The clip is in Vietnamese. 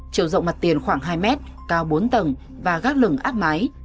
chiều rộng mặt tiền khoảng hai m cao bốn tầng và gác lừng áp máy